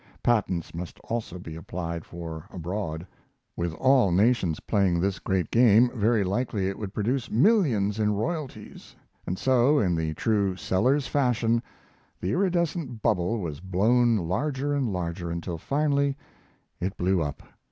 Patents must also be applied for abroad. With all nations playing this great game, very likely it would produce millions in royalties; and so, in the true Sellers fashion, the iridescent bubble was blown larger and larger, until finally it blew up.